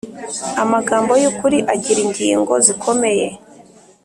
Amagambo y ukuri agira ingingo zikomeye